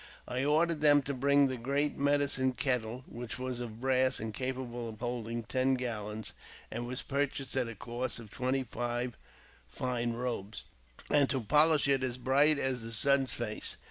I " ordered them to bring the great medicine kettle, which was of brass, and capable of holding ten gallons, and was purchased at a cost of twenty fine robes, and to polish it as bright as the sun's face.